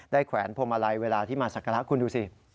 แขวนพวงมาลัยเวลาที่มาสักการะคุณดูสิ